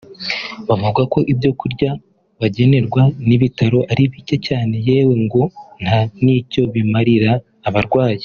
Bavuga ko ibyo kurya bagenerwa n’ibitaro ari bike cyane yewe ngo nta n’icyo bimarira abarwayi